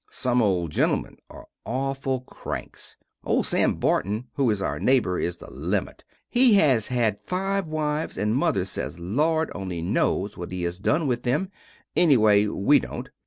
Some old gentlemen are auful cranks. Old Sam Burton who is our naybor is the limit. He has had 5 wives and Mother sez Lord only nos what he has done with them, enneway we dont.